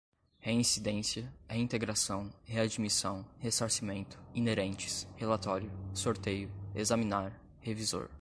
reincidência, reintegração, readmissão, ressarcimento, inerentes, relatório, sorteio, examinar, revisor